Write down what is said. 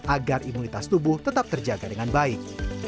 agar imunitas tubuh tetap terjaga dengan baik